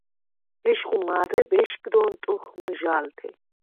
ეშხუ მა̄რე ვეშგდ ონტჷხ მჷჟა̄ლთე.